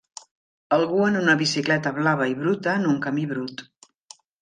Algú en una bicicleta blava i bruta en un camí brut.